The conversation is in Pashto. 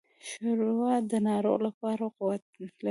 ښوروا د ناروغ لپاره قوت لري.